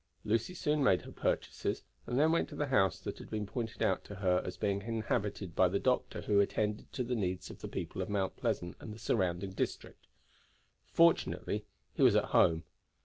Lucy soon made her purchases, and then went to the house that had been pointed out to her as being inhabited by the doctor who attended to the needs of the people of Mount Pleasant and the surrounding district. Fortunately he was at home.